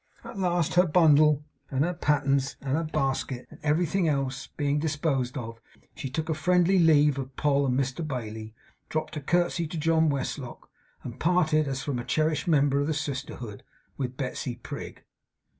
At last, her bundle, and her pattens, and her basket, and everything else, being disposed of, she took a friendly leave of Poll and Mr Bailey, dropped a curtsey to John Westlock, and parted as from a cherished member of the sisterhood with Betsey Prig.